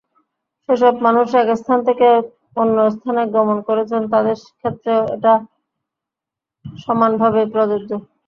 যেসব মানুষ একস্থান থেকে অন্যস্থানে গমন করছেন, তাঁদের ক্ষেত্রেও এটা সমানভাবে প্রযোজ্য।